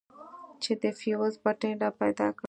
چې د فيوز بټن راپيدا کړم.